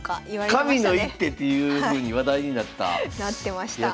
「神の一手」っていうふうに話題になったなってました。